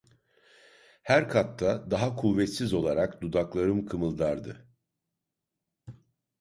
Her katta, daha kuvvetsiz olarak, dudaklarım kımıldardı.